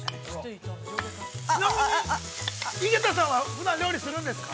◆ちなみに、井桁さんはふだん料理するんですか。